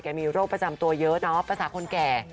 มีโรคประจำตัวเยอะเนาะภาษาคนแก่